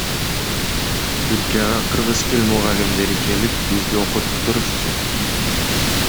Түркияга кыргыз тил мугалимдери келип бизди окутуп турушчу.